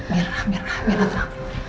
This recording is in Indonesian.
mira mira mira tenang